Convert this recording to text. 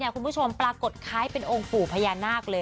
คุณผู้ชมปรากฏคล้ายเป็นองค์ปู่พญานาคเลย